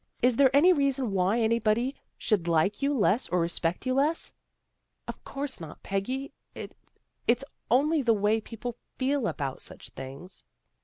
Is there any reason why any body should like you less or respect you less? "" Of course not, Peggy. It's only the way people feel about such things."